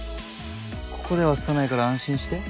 ここでは刺さないから安心して。